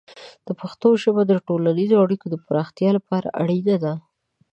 پښتو ژبه د ټولنیزو اړیکو د پراختیا لپاره اړینه ده.